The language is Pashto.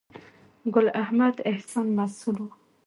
ګل احمد احسان مسؤل و.